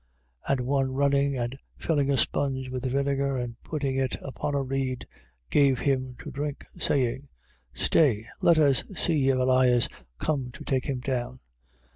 15:36. And one running and filling a sponge with vinegar and putting it upon a reed, gave him to drink, saying: Stay, let us see if Elias come to take him down.